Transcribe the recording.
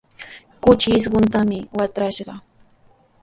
Kuchi isquntami watrashqa.